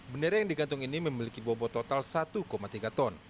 bendera yang digantung ini memiliki bobot total satu tiga ton